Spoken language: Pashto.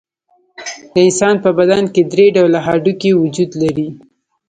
د انسان په بدن کې درې ډوله هډوکي وجود لري.